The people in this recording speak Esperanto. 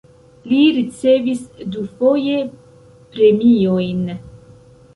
Li ricevis dufoje premiojn.